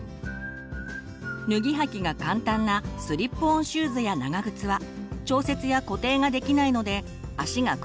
脱ぎ履きが簡単なスリップオンシューズや長靴は調節や固定ができないので足が靴の中で動いてしまいます。